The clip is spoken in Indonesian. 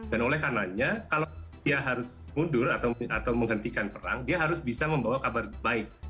dan oleh karena itu kalau dia harus mundur atau menghentikan perang dia harus bisa membawa kabar baik